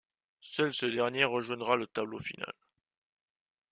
Seul ce dernier rejoindra le tableau final.